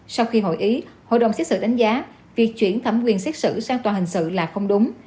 sau khi hội ý hội đồng xét xử đánh giá việc chuyển thẩm quyền xét xử sang tòa hình sự là không đúng